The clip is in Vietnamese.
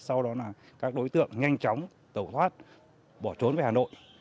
sau đó là các đối tượng nhanh chóng tẩu thoát bỏ trốn về hà nội